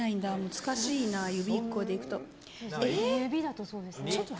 難しいな、指１個でいくと。